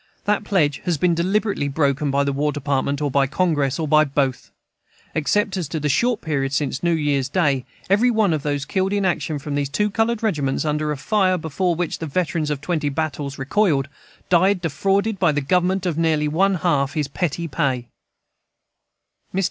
That pledge has been deliberately broken by the War Department, or by Congress, or by both, except as to the short period, since last New Year's Day. Every one of those killed in this action from these two colored regiments under a fire before which the veterans of twenty battles recoiled died defrauded by the Government of nearly one half his petty pay. Mr.